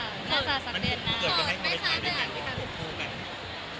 ข้อมูลที่ตั๋วไปค่ะ